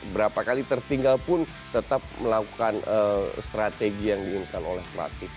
berapa kali tertinggal pun tetap melakukan strategi yang diinginkan oleh pelatih